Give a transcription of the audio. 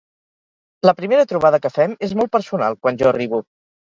La primera trobada que fem és molt personal, quan jo arribo.